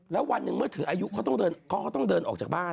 แล้ววันหนึ่งเมื่อถืออายุเขาก็ต้องเดินออกจากบ้าน